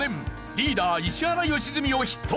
リーダー石原良純を筆頭に。